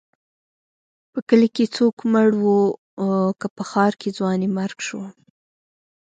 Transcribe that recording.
که په کلي کې څوک مړ و، که په ښار کې ځوانيمرګ شو.